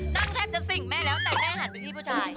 นั่งแทบจะสิ่งแม่แล้วแต่แม่หันแค่เป็นพี่ผู้ชาย